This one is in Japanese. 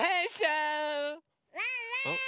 ・ワンワーン！